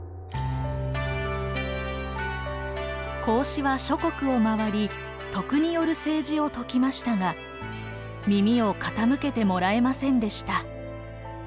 孔子は諸国を回り徳による政治を説きましたが耳を傾けてもらえませんでした。